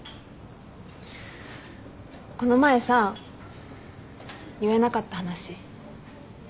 この前さ言えなかった話。